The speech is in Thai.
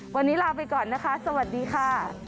วันนี้ลาไปก่อนนะคะสวัสดีค่ะ